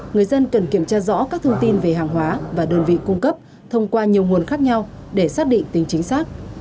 người dân cần kiểm tra rõ các thông tin về hàng hóa và đơn vị cung cấp thông qua nhiều nguồn khác nhau để xác định tính chính xác